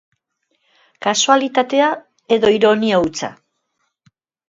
Kasualitatea edo ironia hutsa.